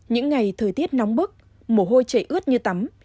những ngày thời tiết nóng bức mồ hôi chảy ướt như tắm